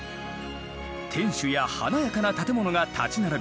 天守や華やかな建物が立ち並び